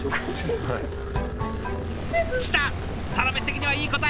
「サラメシ」的にはいい答え。